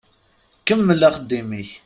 Kemmel axeddim-ik.